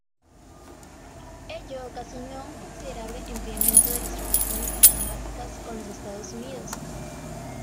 Ello ocasionó un considerable enfriamiento de las relaciones diplomáticas con los Estados Unidos.